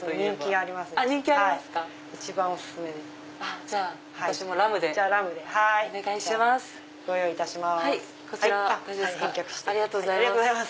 ありがとうございます。